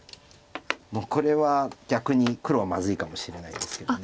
もうこれは逆に黒はまずいかもしれないんですけど。